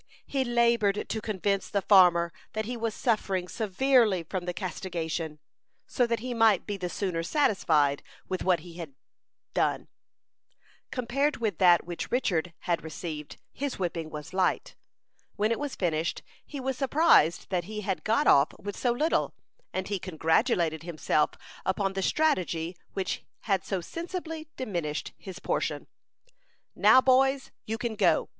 He labored to convince the farmer that he was suffering severely from the castigation, so that he might be the sooner satisfied with what had been done. Compared with that which Richard had received, his whipping was light. When it was finished, he was surprised that he had got off with so little; and he congratulated himself upon the strategy which had so sensibly diminished his portion. "Now, boys, you can go.